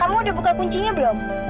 kamu udah buka kuncinya belum